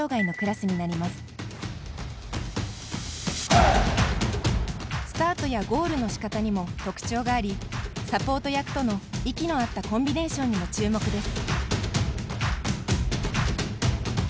スタートやゴールのしかたにも特徴がありサポート役との息のあったコンビネーションにも注目です。